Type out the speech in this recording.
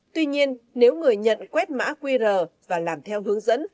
tuy nhiên nếu người nhận quét mã qr và làm theo hướng dẫn